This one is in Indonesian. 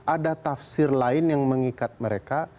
ada tafsir lain yang mengikat mereka